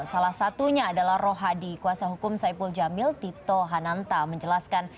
salah satunya adalah rohadi kuasa hukum saipul jamil tito hananta menjelaskan